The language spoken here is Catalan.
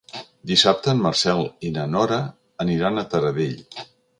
Dissabte en Marcel i na Nora aniran a Taradell.